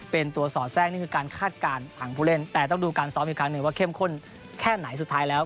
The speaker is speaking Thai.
เป็นตัวสอดแทรกนี่คือการคาดการณ์ทางผู้เล่นแต่ต้องดูการซ้อมอีกครั้งหนึ่งว่าเข้มข้นแค่ไหนสุดท้ายแล้ว